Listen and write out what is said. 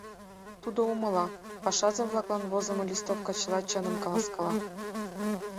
Тудо умыла, пашазе-влаклан возымо листовка чыла чыным каласкала.